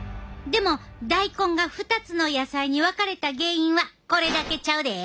でも大根が２つの野菜に分かれた原因はこれだけちゃうで！